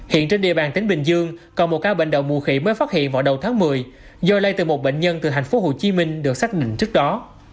hiện trên địa bàn tỉnh bình dương còn một ca bệnh đậu mũ khí mới phát hiện vào đầu tháng một mươi do lây từ một bệnh nhân từ hạnh phúc hồ chí minh được xác định trước đó